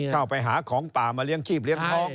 เข้าไปหาของป่ามาเลี้ยงชีพเลี้ยงท้อง